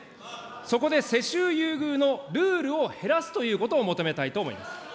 そこで世襲優遇のルールを減らすということを求めたいと思います。